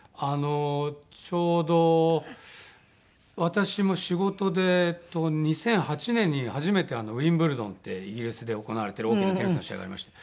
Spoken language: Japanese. ちょうど私も仕事で２００８年に初めてウィンブルドンってイギリスで行われてる大きなテニスの試合がありまして。